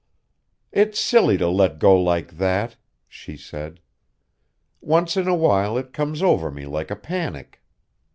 "It's silly to let go like that," she said. "Once in awhile it comes over me like a panic.